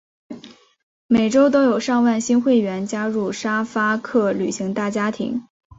每周都有上万新会员加入沙发客旅行大家庭。